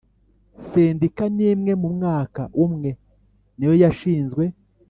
sendika nimwe mu mwaka umwe niyo yashinzwe